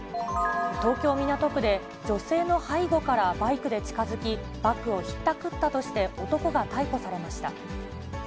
東京・港区で女性の背後からバイクで近づき、バッグをひったくったとして男が逮捕されました。